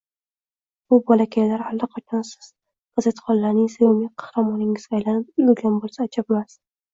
Bu bolakaylar allaqachon siz gazetxonlarning sevimli qahramoningizga aylanib ulgurgan bo‘lishsa, ajabmas